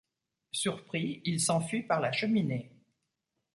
Surpris, il s’enfuit par la cheminée.